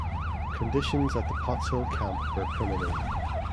Conditions at the Potts Hill camp were primitive.